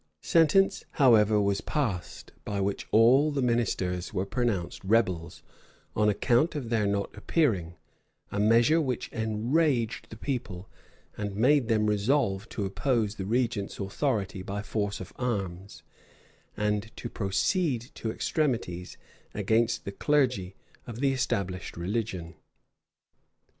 Sentence, however, was passed, by which all the ministers were pronounced rebels, on account of their not appearing; a measure which enraged the people, and made them resolve to oppose the regent's authority by force of arms, and to proceed to extremities against the clergy of the established religion.